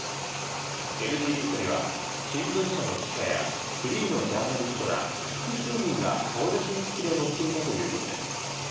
ＮＧリストには新聞社の記者やフリーのジャーナリストら複数人が顔写真付きで載っていたということです。